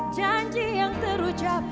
janji yang terucap